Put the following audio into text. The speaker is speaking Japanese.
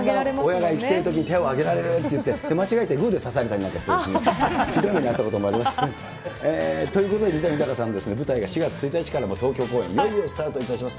親が来てるときに手を挙げられるっていって、間違いでグーで指されたりなんかしてね、ひどい目に遭ったこともありますね。ということで、水谷豊さん、舞台が４月１日から東京公演、いよいよスタートいたします。